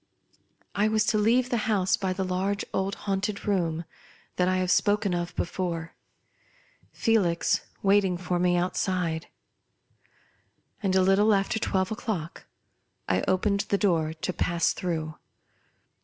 I was to leave the house by the large, old, haunted room that I have spoken of before ; Felix waiting for me outside. And, a little after twelve o'clock, I opened the door to pass through.